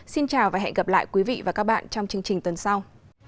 xin chào và hẹn gặp lại các bạn trong chương trình tuần sau